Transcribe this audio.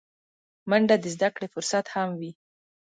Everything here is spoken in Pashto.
منډه د زدهکړې فرصت هم وي